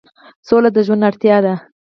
سوله د ژوند اړتیا ده